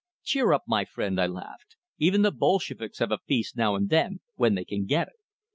"Cheer up, my friend!" I laughed. "Even the Bolsheviks have a feast now and then, when they can get it."